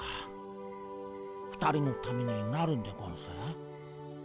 ２人のためになるんでゴンス？